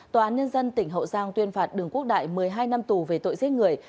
tòa án nhân dân tỉnh hậu giang tuyên phạt đường quốc đại một mươi hai năm tù về tội giết người